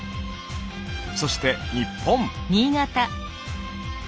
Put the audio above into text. そして日本。